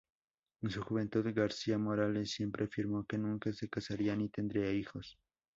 En su juventud García Morales siempre afirmó que nunca se casaría ni tendría hijos.